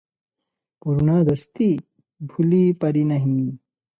ପୁରୁଣା ଦୋସ୍ତି ଭୁଲି ପାରି ନାହିଁ ।